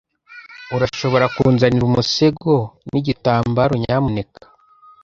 Urashobora kunzanira umusego nigitambaro, nyamuneka?